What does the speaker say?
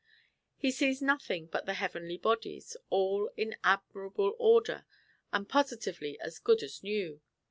He sees nothing but the heavenly bodies, all in admirable order, and positively as good as new.